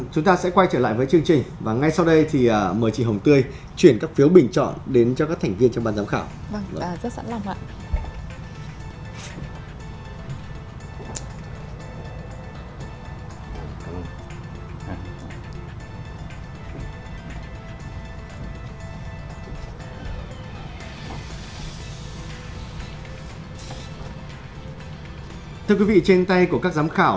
thưa quý vị trên tay của các giám khảo